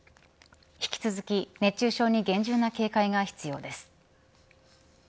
引き続き熱中症に厳重な警戒が必要です。